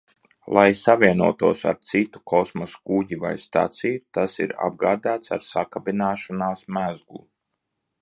Lai savienotos ar citu kosmosa kuģi vai staciju, tas ir apgādāts ar sakabināšanās mezglu.